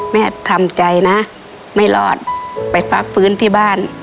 แม่ทำใจนะไม่รอดไปพักฟื้นที่บ้าน